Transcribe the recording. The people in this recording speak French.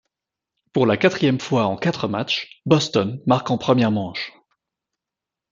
Pour la quatrième fois en quatre matchs, Boston marque en première manche.